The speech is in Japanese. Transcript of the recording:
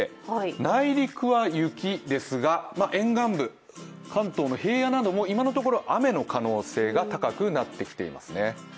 内陸は雪ですが、沿岸部、関東の平野なども今のところ雨の可能性が高くなってきていますね。